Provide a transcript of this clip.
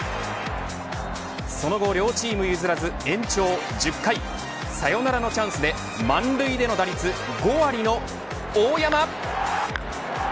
その後、両チーム譲らず延長１０回サヨナラのチャンスで満塁での打率５割の大山。